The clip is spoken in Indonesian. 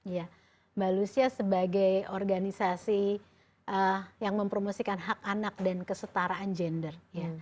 ya mbak lucia sebagai organisasi yang mempromosikan hak anak dan kesetaraan gender